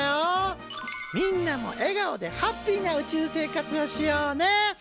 みんなも笑顔でハッピーな宇宙生活をしようね！